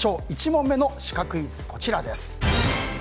１問目のシカクイズです。